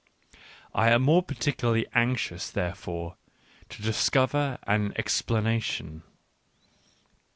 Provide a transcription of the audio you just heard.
... I am more particularly anxious therefore to discover an ex planation.